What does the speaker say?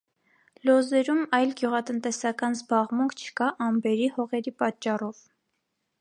Լոզերում այլ գյուղատնտեսական զբաղմունք չկա անբերրի հողերի պատճառով։